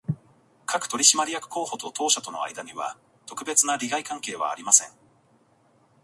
各取締役候補と当社との間には、特別な利害関係はありません